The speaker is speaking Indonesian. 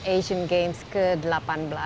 asian games ke delapan belas